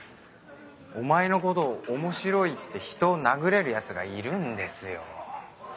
お前のこと面白いって人を殴れるヤツがいるんですよ。